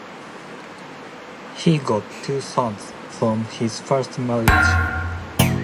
He got two sons from his first marriage.